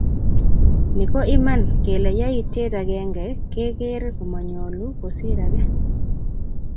Nito ko iman, kele yaitiet agenge keker komonyolu kosir age?